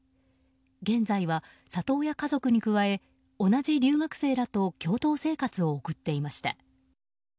現在は、里親家族に加え同じ留学生らと共同生活を送っていました。